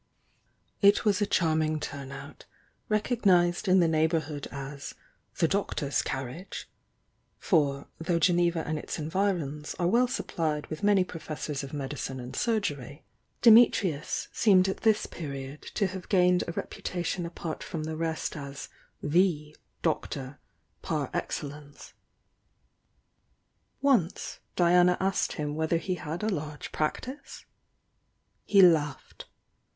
It was a charming turn out, recog nised in the neighbourhood as "the Doctor's car riage" — for thou^ Geneva and its environs are well supplied with many professors of medicine and sur THE VOUNC; DIANA 165 gery, Dimitrius aeeme 1 at this period to have sained a reputation apart from the rest as "the" doctor, DOT excellence. Once Diana asked him whether he had a large practice? He laughed.